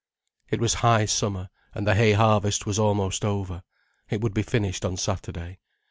It was high summer, and the hay harvest was almost over. It would be finished on Saturday.